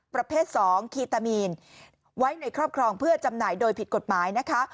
ประเภท๒คีตามีนไว้ในครอบครองเพื่อจำหน่ายโดยผิดกฎหมายนะคะ